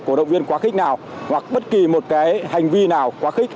cổ động viên quá khích nào hoặc bất kỳ một cái hành vi nào quá khích